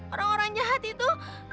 orang orang jahat itu